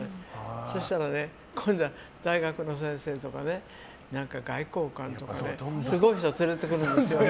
そしたら、今度は大学の先生とか外交官とかねすごい人連れてくるんですよ。